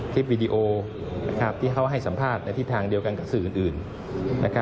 คลิปวีดีโอที่เขาให้สัมภาษณ์ในทิศทางเดียวกันกับสื่ออื่น